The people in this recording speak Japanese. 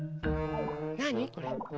なにこれ？